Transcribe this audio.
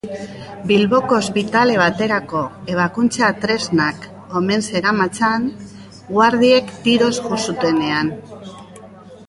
Bilboko ospitale baterako ebakuntza-tresnak omen zeramatzan, guardiek tiroz jo zutenean.